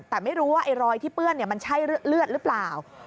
แต่ไม่รู้ว่าไอ้รอยที่เปื้อนมันใช่เลือดหรือเปล่า